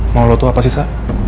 mau lo tuh apa sih sa